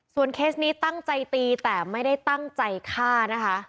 เคสนี้ตั้งใจตีแต่ไม่ได้ตั้งใจฆ่านะคะ